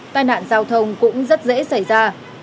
tai nạn giao thông cũng rất dễ xảy ra